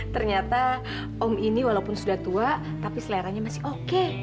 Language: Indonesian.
ternyata om ini walaupun sudah tua tapi seleranya masih oke